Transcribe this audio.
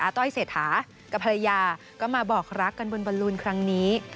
ต้อยเศรษฐากับภรรยาก็มาบอกรักกันบนบอลลูนครั้งนี้